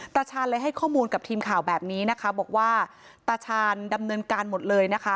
ตาชาญเลยให้ข้อมูลกับทีมข่าวแบบนี้นะคะบอกว่าตาชาญดำเนินการหมดเลยนะคะ